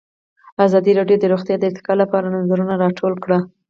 ازادي راډیو د روغتیا د ارتقا لپاره نظرونه راټول کړي.